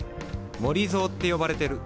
「森ぞー」って呼ばれてる。